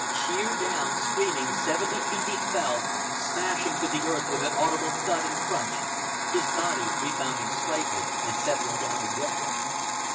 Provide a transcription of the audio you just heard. Sheer down, screaming, seventy feet he fell, smashing to the earth with an audible thud and crunch, his body rebounding slightly and settling down again.